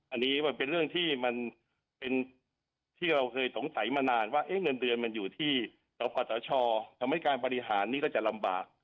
อันนี้มันเป็นเรื่องที่มันเป็นที่เราเคยสงสัยมานานว่าเงินเดือนมันอยู่ที่สปสชทำให้การบริหารนี่ก็จะลำบาก